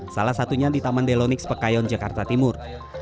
salah satunya di taman delonix pekayon jakarta timur